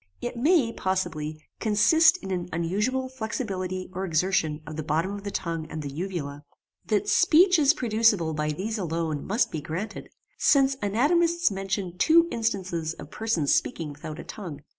It may, possibly, consist in an unusual flexibility or exertion of the bottom of the tongue and the uvula. That speech is producible by these alone must be granted, since anatomists mention two instances of persons speaking without a tongue.